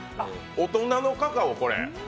大人のカカオ、これ。